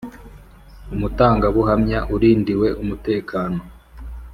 umutangabuhamya urindiwe umutekano